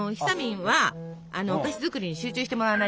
はい。